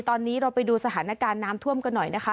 ตอนนี้เราไปดูสถานการณ์น้ำท่วมกันหน่อยนะคะ